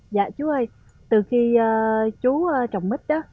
dạ chú ơi từ khi chú trồng mít đó